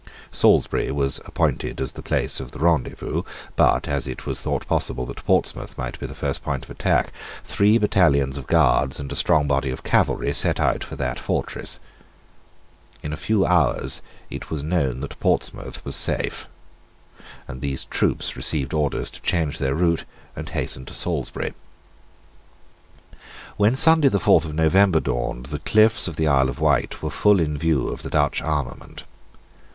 Salisbury was appointed as the place of rendezvous: but, as it was thought possible that Portsmouth might be the first point of attack, three battalions of guards and a strong body of cavalry set out for that fortress. In a few hours it was known that Portsmouth was safe; and these troops received orders to change their route and to hasten to Salisbury. When Sunday the fourth of November dawned, the cliffs of the Isle of Wight were full in view of the Dutch armament.